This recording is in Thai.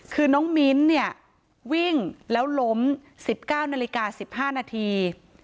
คือน้องมิ้นท์เนี่ยวิ่งแล้วล้ม๑๙นาฬิกา๑๕นาที